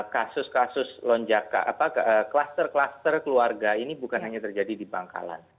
kasus kasus kluster kluster keluarga ini bukan hanya terjadi di bangkalan